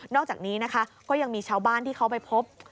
อกจากนี้นะคะก็ยังมีชาวบ้านที่เขาไปพบ